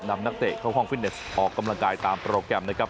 นักเตะเข้าห้องฟิตเนสออกกำลังกายตามโปรแกรมนะครับ